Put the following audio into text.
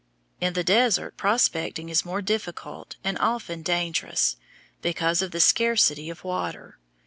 In the desert prospecting is more difficult and often dangerous, because of the scarcity of water.